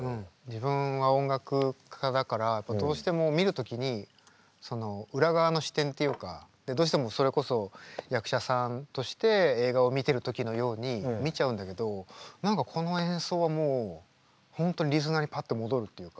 自分は音楽家だからどうしても見る時にその裏側の視点っていうかどうしてもそれこそ役者さんとして映画を見てる時のように見ちゃうんだけど何かこの演奏はもう本当にリスナーにパッと戻るっていうか。